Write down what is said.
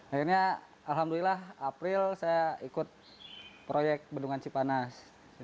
akhirnya alhamdulillah april saya ikut proyek bendungan cipanas